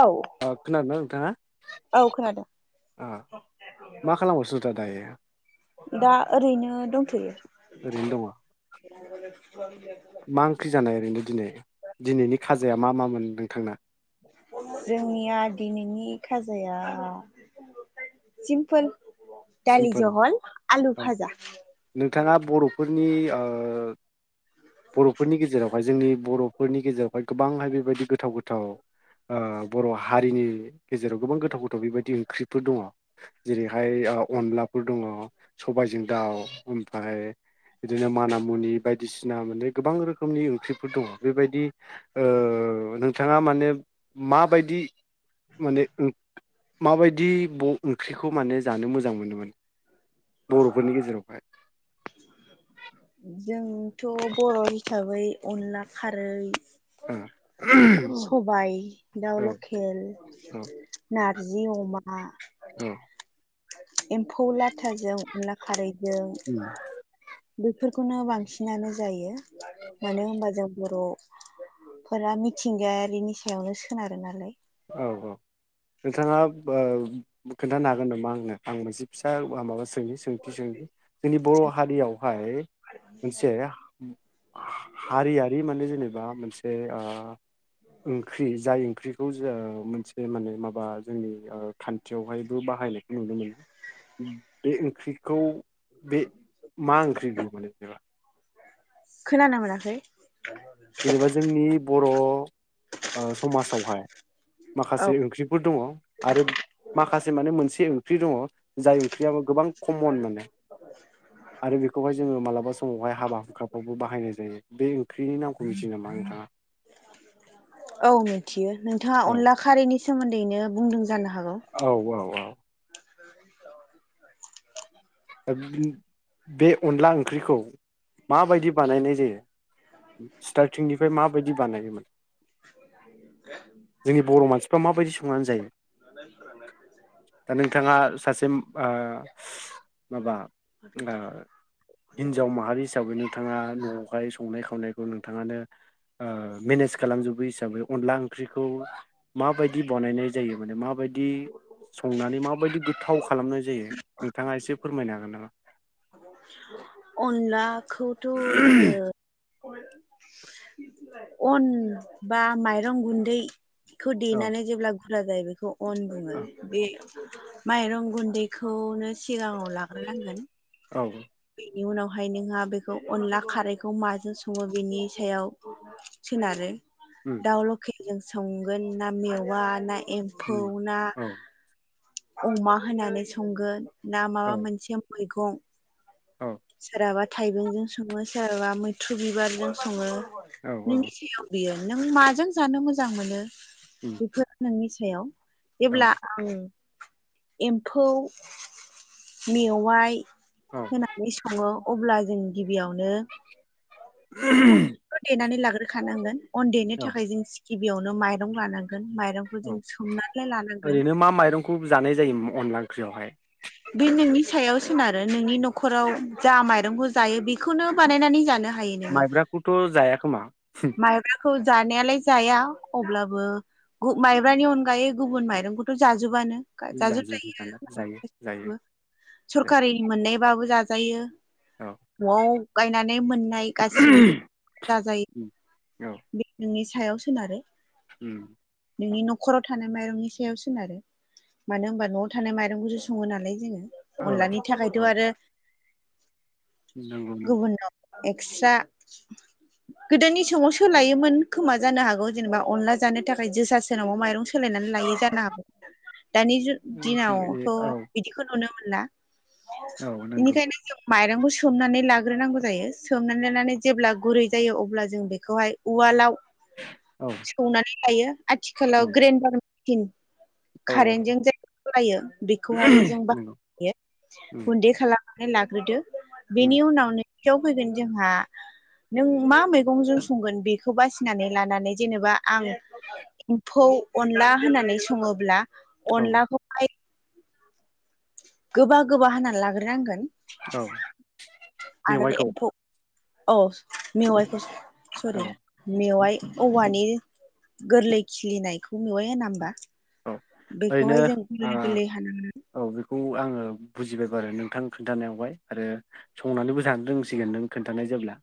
औ ओ खोनादोंना नोंथाङा औ खोनादों ओ मा खालामगासिनो दा दायो दा ओरैनो दंथयो [inaudible] ओरैनो दङ मा ओंख्रि जानाय ओरैनो दिनै दिनैनि खाजाया मा मा मोन्दों थाङा जोंनिया दिनैनि खाजाया सिमपल दालि सिम्पोल जहल आलु फाजा। नि ओ बर'फोरनि गेजेरावहाय जोंनि बर'फोरनि गेजेरावहाय गोबांहाय बेबायदि गोथाव गोथाव ओ बर' हारिनि गेजेराव गोबां गोथाव गोथाव बेबायदि ओंख्रिफोर दङ जेरैहाय ओ अनला फोर दंङ सबायजों दाउ ओमफ्राय बिदिनो माना मुनि बायदिसिना माने गोबां रोखोमनि ओंख्रिफोर दङ बेबायदि ओ नोंथाङा माने माबायदि माने ओ माबायदि ब ओंख्रिखौ माने जानो मोजां जां मोनो माने बर' फोरनि गेजेरावहाय। थ बर' हिसाबै अनला खारै ओ सबायाइ दाउ औ लकेल औ ना जि अमा औ। एम्फौ लाथाजों अनला खारै। जों बेफोर खौनो बांसिनानो जायो। मानो होनबा जों बर' फोरा मिथिंगायारिनि सायावनो सोनारो नालाय। औ औ नोंथाङा ओ खोन्थानो हागोन नामा आंनो आं मोनसे फिसा माबा सों सोंनि सोंथि सोंनि जोंनि बर' हारियावहाय मोनसे हारियारि माने जेनेबा मोनसे ओ ओंख्रि जाय ओंख्रि खौ जों मोनसे माने माबा जोंनि ओ खान्थियावहायबो बाहायनायखौ नुनो मोनो बे ओं ख्रिखौ बे मा ओंख्रि बियो माने [unintelligible] खोनानो मोनाखै। जेनेबा जोंनि बर' ओ समाजावहाय औ माखासे ओंख्रिफोर दङ आरो माखासे माने मोनसे ओंख्रि दङ। जाय ओंख्रियाबो गोबां कमन माने आरो बेखौहाय जोङो मालाबा समावहाय हाबा हुखाफ्रावबो बाहायनाय जायो बे ओंख्रिनि नामखौ मिनथियो नामा नोंथांङा? औ मिथियो नोंथाङा अनला औ खारैनि सोमोन्दैनो बुंदों जानो हा औ औ औ। बे अनला ओंख्रिखौ माबायदि बानायनाय जायो? स्टारटिंनिफ्राय माबायदि बानायोमोन जोंनि बर' मानसिफ्रा माबायदि स संनानै जायो। दा नोंथाङा सासे बा माबा ओ हिन्जाव माहारि हिसाबै नोंथाङा न'आवहाय संनाय खावनायखौ नोंथाङानो ओ मेनेज खालामजोबो हिसाबै अनला ओंख्रिखौ माबायदि बनायनाय जायो? माने माबायद दि संनानै माबायदि गोथाव खालामनाय जायो। नोंथाङा एसे फोरमायनो हागोन नामा? अनला खौथ' जोङो अन बा माइरं गुन्दै खौ औ देनानै जेबोब्ला फुला जायो बेखौ। अन गुनदै औ बे माइरं गुन्दैखौनो सिगाङाव लाग्रोनांगोन। औ। बेनि उनावहाय नोंहा बेखौ अनला खारैखौ माजों सङो बेनि सायाव सोनारो। उम दाउ लखेल जों संगोन ना मेवा नाय। एम्फौ उम ना औ अमा होनानै संगोन। ना माबा औ मोनसे मुलि गं। औ सोराबा थाइबेंजों सङो सोराबा मैथ्रु बिबारजों सङो। औ औ नोंनि सायाव‌ बियो। नों माजों जानो मोजां मोनो उम बेफोर नोंनि सायाव। औ एब्ला आं एम्फौ मेवाइ औ। अह अब्ला जों गि बियावनो देनानै लागोर रोखानांगोन। अन देनो औ थाखाय जों गिबियावनो माइरं लानां माइरंखौ जों औ सोमनानैलाय लानांगोन ओरैनो मा माइरंखौ जानाय जायो अनला ओंख्रियावहाय बे नोंनि सायाव सोनारो आरो नोंनि नखराव जा माइरंखौ जायो बेखौनो बानायनानै जानो हायो। माइब्राखौथ जाया खोमा माइब्रा जानायालाय जाया अब्ला माइब्रनि अनायै गुबुन माइरंखौथ जाजोबयो जानो जाजोबो दाना जायो जायो जाजोब जायो सकरि मोननाय बाबो जायो औ नआव गायनानै मोननाय गाससिबो जाजायो। औ बे नोंनि सायाव सोनारो उम [inaudible] नोंनि नखराव थानाय माइरंनि सायाव सोनारो मानो होनबा नआव थानाय माइरंखौसो सङो नालाय जोङो। औ अनलानि थाखायथ आरो जग [unintelligible] गुबुनाव एक्सट्रा गोदोनि समङाव सोलायोमोन खोमा जानो हागौ जेनेबा अनला जानो थाखाय जोसा सोनाव माइरं सोलायनानै लायो जानो हागौ दानि दिनावथ नंगौ औ बिदिखौ नुनो मोनो ला औ नंगौ बिनिखायनो माइरंखौ सोमनानै लाग्रोनांगौ जायो सोमनानै लानानै जेब्ला गुरै जायो अब्ला जों बेखौहाय उवालाव औ सौनानै थायो आथिखालाव ग्रेनदार थिन औ कारेन्टजों जाय [unintelligible] खाालायो बेखौहाय जों नंगौ बाहायो उम गुन्दै खालाम [unintelligible] ग्रोदो उम बेनि उनावनो खाथियाव फैगोन जोंहा नों मा मैगंजों संगोन बेखौ बासिनानै लानानै जेनेबा आं एमफौ अनला होनानै संङोब्ला औ अलाखौ गोबा गोबा हाना लाग्रोनांगोन औ आरो मेवाइखौ एम्फौ औ मेवायखौ स औ सरि मेवाइ औवानि गोर्लै खिलिनायखौ मेवाइ होना होमबा? औ ओरैनो बेखौहाय जों गोर्लै गोर्लै हानानै आंङो बुजिबाय बो आरो नोंथां खोन्थानायावहाय आरो संनानैबो जानो रोंसिगोन नों खोन्थानाय जेब्ला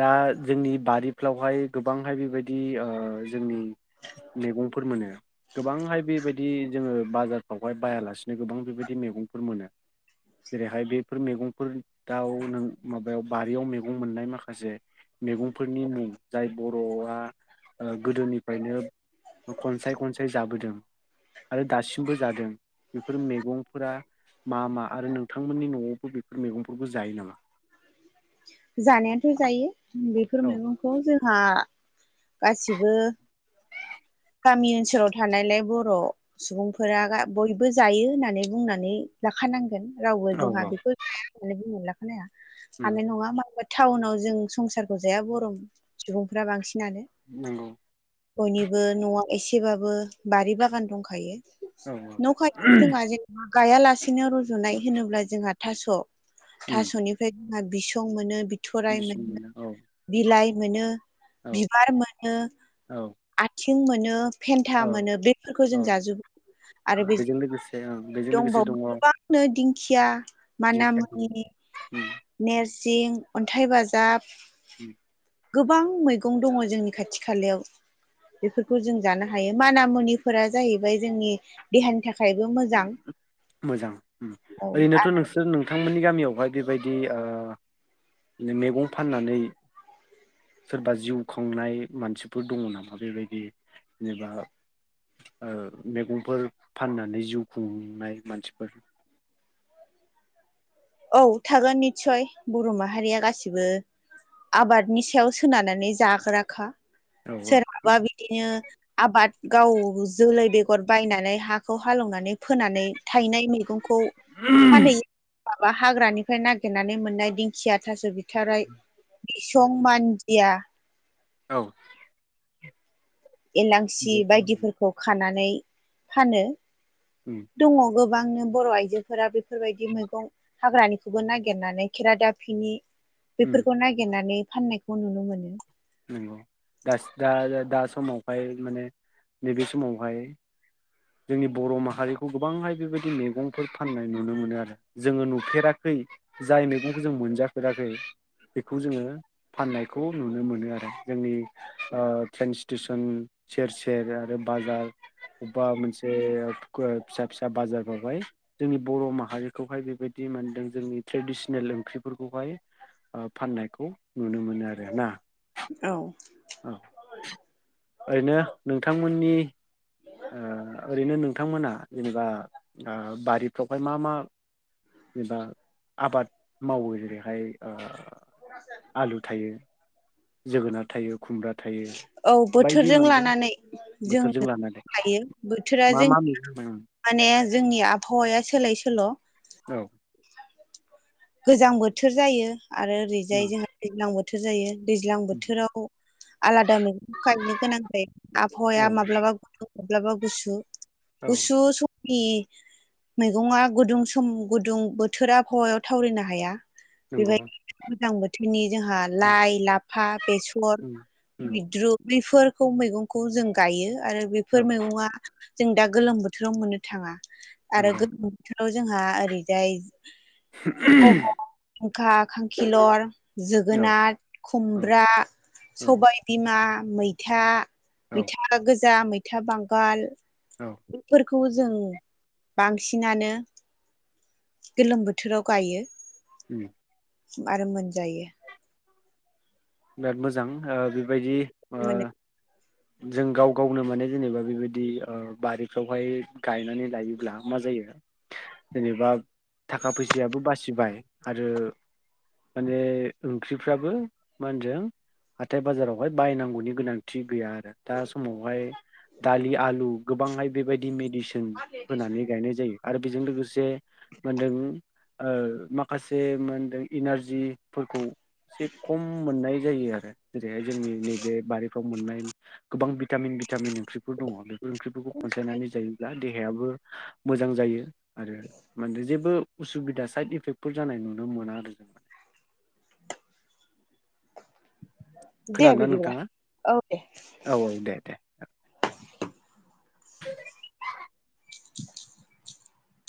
दा जोंनि बारिफ्रावहाय गोबांहाय बेबायदि ओ जोंनि मेगंफोर मोनो गोबांहाय बेबायदि दि जोंङो बाजारफ्रावहाय बायालासेनो गोबां बेबायदि मेगंफोर मोनो जेरैहाय बेफोर मेगंफोराव नों माबायाव बारियाव मैगं मोननाय माखासे मेगंफोरनि मुं जाय बर'आ ओ गोदोनिफ्रायनो खनसाय खनसाय जाबोदों आरो दासिमबो जादों। बेफोर मेगंफोरा मा मा आरो नोंथांमोननि न'आव बेफोर मेगंखौबो जायो नामा? जानायाथ जायो। बेफोर औ मैगंखौ जोंहा गासिबो गामि ओन्सोलाव थानायलाय बर' सुबुंफोरा बयबो जायो होन्नानै बुंनानै लाखानांगोन। रावबो औ जोंहा औ बेखौ जाया होन्नानै बुंनो ला [inaudible] उम हानाय नङा टाउनाव जों संसारखौ जाया बर' सुबुंफ्रा बांसिन। नोंगौ। बयनि न'आ एसेबाबो बारि बागान दंखायो औ न' खाथि जोंहा जेनेबा गायालासेनो रज'नाय होनोब्ला जोंहा थास' उम थास'निफ्राय हा बिसं मोनो बि थ'राय बिसं मोनो औ बिलाइ मोनो औ बिबार मोनो औ आथिं मोनो। फेन्था औ मोनो बेफोरखौ जों औ जाजोबो आरो बे बेजों लोगोसे ओं बेजों लोगोसे दङ दंबावो गोबांनो दिं खिया माना दिंखिया दं मुनि उम नेरसि जिं अन्थाइ बाजाब उम। गोबां मैगं दङ जोंनि खाथि खालायाव। बेफोरखौ जों जानो हायो माना मुनिफोरा जाहैबाय जोंनि देहानि थाखाय मोजां उम औ ओरैनोथ नोंसोर नोंथां मोननि गामियावहाय बेबायदि ओ मेगं फाननानैसोरबा जिउखुंनाय मानसिफोर दंनामा बेबायदि जेनेबा ओ मेगंफोर फाननानै जा जिउ खुंनाय मानसिफोर औ थागोन निस्सय बर' माहारिया गासिबो आबादनि सायाव सोनारनानै जाग्राखा औ औ सोरहाबा बिदिनो आबाद गाव जोलै बेगर बायनानै हाखौ हाल एवनानै फोनानै थायनाय मैगंखौ फानहैयो माबा हाग्रानिफ्राय नागिरनानै मोननाय दिंखिया थास बिथाराइ बिसं मानदिया औ एलांसि बायदिफोरखौ खानान नानै फानो उम दङ गोब गोबांनो बर' आइजोफोरा बेफोरबायदि मैगं हाग्रानिखौबो नागिरनानै खेरादाफिनि उम बेफोरखौ नागिरनानै फाननायखौ नुनो मोनो नंगौ दास दा समावहाय माने नैबे समावहाय जोंनि बर' माहारिखौ गोबांहाय बेबायदि मैगंफोर फाननाय नुनो मोनो आरो जोङो नुफेराखै जाय मैगंखौ जों मोनजाफेराखै बेखौ जोङो फाननायखौ नुनो मोनो आरो ओ जोंनि ट्रेन स्टेसन सेर सेर आरो बाजार उम बा मोनसे फिसा फिसा बाजार आवहाय जोंनि बर माहारिखौहाय बेबायदि मानदों जोंनि ट्रेडिसनेल ओंख्रिफोरख खौहाय फाननायखौ ओ नुनो मोनो आरोना औ औ ओरैनो नोंथांमोननि ओ ओरैनो नोंथांमोना जेनेबा ओ बारिफ्रावहाय मा मा जेनेबा आबाद मावो जेरैहाय ओ आलु थायो जोगोनार थायो खुमब्रा थायो औ बायदि बोथोरजों मोनदों लानानै जों बोथोरजों लानानै लायो मा मा मै उम ए जोंनि आबहावाया सोलाय सोल' औ गोजां बोथोर जायो आरो ओरैजाय जोंहा दैज्लां बो थोर जायो दैज्लां बोथोराव आलादा मैगंखौ गायनो गोनां जायो औ आबहावाया माब्लाबा गुदुं माब्लाबा गुसु औ गुसु सम कि मैगङा गुदुं सम गुदुं बोथोर आबहावायाव थावरिनो हाया नंगौ औ बेबायदिनो गोजां बोथोरनि जोंहा लाइ लाफा बेसर नंगौ मैद्रु बैफोर खौ मैगंखौ जों गायो आरो औ बेफोर मैगङा जों दा गोलोम बोथोराव मोननो थाङा आरो गोलोम बोथार ओ जोंहा ओरैजाय [unintelligible] खा खांखिलर जोगोनाथ खुमब्रा औ सबाय बिमा मैथा औ मैथा गोजा मै था बांगाल औ बेफोर खौ जों बांसिनानो गोलोम बोथोराव गायो उम आरो मोनजायो। बिराद मोजां ओ बेबायदि ओ माने जों गाव गावनो माने जेनेबा बेबायदि बारिफ्रावहाय गायनानै लायोब्ला मा जायो जेनेबा थाखा फैसायाबो बासिबाय आरो माने ओंख्रिफ्राबो मा होनदों हाथाय बाजारावहाय बायनांगौनि गोनांथि गैया आरो दा समावहाय दालि आलु गोबांहाय बेबाय दि मेडिसिन होनानै गायनाय जायो। आरो बेजों लोगोसे माहोनदों ओ माखासे माहोनदों इनारजि फोरखौ एसे खम मोननाय जायो आरो जेरैहाय जोंनि नैबे बारिफ्राव मोननाय गोबां भिटामिन भिटामिन ओंख्रिफोर दङ बे फोर ओंख्रिफोरखौ खनसायनानै जायोब्ला देहायाबो मोजां जायो आरो माने जेबो उसुबिदा साइद इफेक्टफोर जानाय नुनो मोना आरो जों माने। दे खोनादोंना बिदिबला नोंथाङा? औ दे। औ औ दे दे [unintelligible] [unintelligible]